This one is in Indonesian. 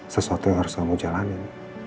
sesuatu yang harus kamu jalanin